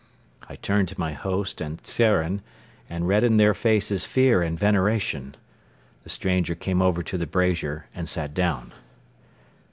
I turned to my host and Tzeren and read in their faces fear and veneration. The stranger came over to the brazier and sat down.